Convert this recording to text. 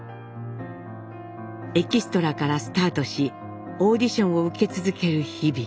エキストラからスタートしオーディションを受け続ける日々。